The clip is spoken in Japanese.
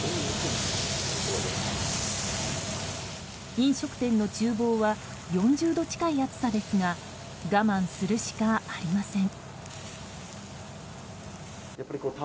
飲食店の厨房は４０度近い暑さですが我慢するしかありません。